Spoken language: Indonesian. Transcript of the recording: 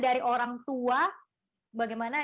dari orang tua bagaimana